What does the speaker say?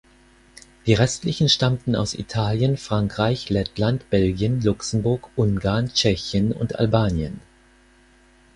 Die restlichen stammten aus Italien, Frankreich, Lettland, Belgien, Luxemburg, Ungarn, Tschechien und Albanien.